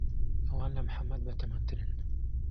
ئەوان لە محەممەد بەتەمەنترن.